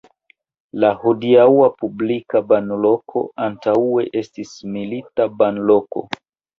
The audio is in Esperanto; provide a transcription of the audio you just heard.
La hodiaŭa publika banloko antaŭe estis milita banloko.